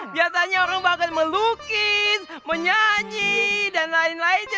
biasanya orang bahkan melukis menyanyi dan lain lain